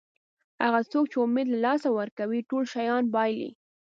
هغه څوک چې امید له لاسه ورکوي ټول شیان بایلي.